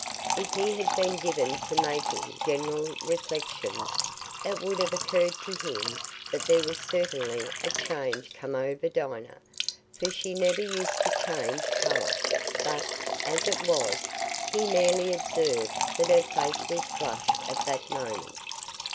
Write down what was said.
If he had been given to making general reflections, it would have occurred to him that there was certainly a change come over Dinah, for she never used to change colour; but, as it was, he merely observed that her face was flushed at that moment.